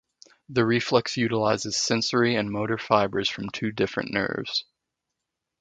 The reflex utilizes sensory and motor fibers from two different nerves.